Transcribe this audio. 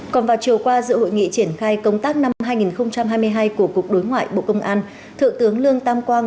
còn vào chiều qua giữa hội nghị triển khai công tác năm hai nghìn hai mươi hai của cục đối ngoại bộ công an thượng tướng lương tam quang